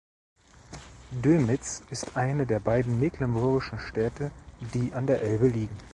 Dömitz ist eine der beiden mecklenburgischen Städte, die an der Elbe liegen.